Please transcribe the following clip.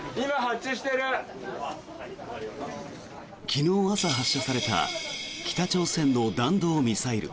昨日朝発射された北朝鮮の弾道ミサイル。